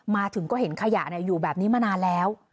มาถึงก็เห็นขยะอยู่แบบนี้มานานแล้ว